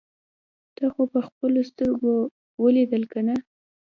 تا خو په خپلو سترګو اوليدل کنه.